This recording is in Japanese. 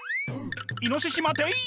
「イノシシ待てい！」。